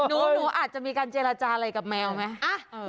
หนูอาจจะมีการเจรจาอะไรกับแมวไหม